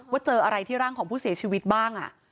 เจออะไรที่ร่างของผู้เสียชีวิตบ้าง